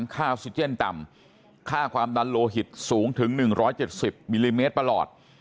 ค่าซิเจนต่ำค่าความดันโลหิตสูงถึง๑๗๐มิลลิเมตรประหลอด